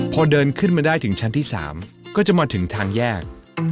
พอเดินขึ้นมาได้ถึงชั้นที่๓ก็จะมาถึงทางแยก